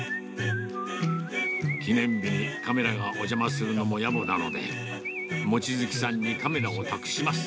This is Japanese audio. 記念日にカメラがお邪魔するのも野暮なので、望月さんにカメラを託します。